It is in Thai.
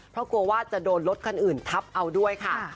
เพราะกลัวว่าจะโดนรถคันอื่นทับเอาด้วยค่ะ